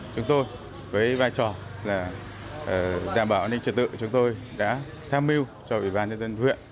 chúng tôi với vai trò đảm bảo an ninh truyền tự của chúng tôi đã tham mưu cho ủy ban nhân dân huyện